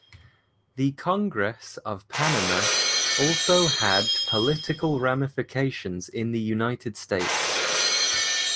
The Congress of Panama also had political ramifications in the United States.